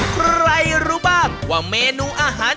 ใครรู้บ้างว่าเมนูอาหาร